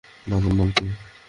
লজের নাম কী?